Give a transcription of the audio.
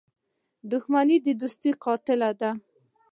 • دښمني د دوستۍ قاتله ده.